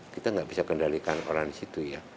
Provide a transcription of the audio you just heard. kita nggak bisa kendalikan orang di situ ya